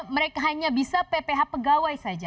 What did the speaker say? mereka hanya bisa pph pegawai saja